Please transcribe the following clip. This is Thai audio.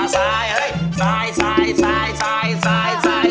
ซ้ายซ้ายซ้ายซ้าย